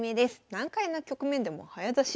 「難解な局面でも早指し？」